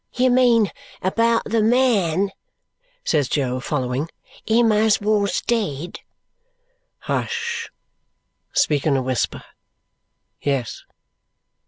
"You mean about the man?" says Jo, following. "Him as wos dead?" "Hush! Speak in a whisper! Yes.